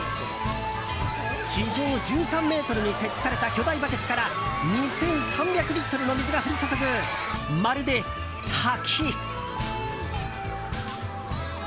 地上１３ｍに設置された巨大バケツから２３００リットルの水が降り注ぐまるで滝。